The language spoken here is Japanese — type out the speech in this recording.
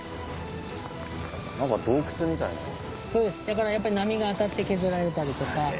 だからやっぱ波が当たって削られたりとか。